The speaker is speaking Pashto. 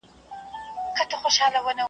ما، پنځه اویا کلن بوډا .